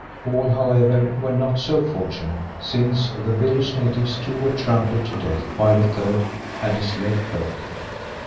All, however, were not so fortunate, since of the village natives two were trampled to death, while a third had his leg broken.